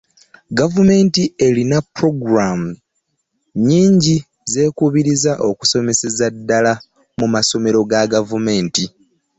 Gavumenti erina pulogulaamu nnyingi z'ekubiriza okusomeseza ddala mu masomero ga gavumenti.